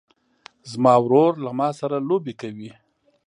زما ورور له ما سره لوبې کوي.